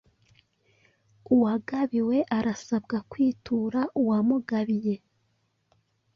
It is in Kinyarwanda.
Uwagabiwe arasabwa kwitura uwamugabiye.